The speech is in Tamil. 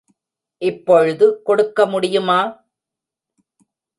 இப்பொழுது கொடுக்க முடியுமா?